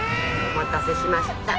お待たせしました。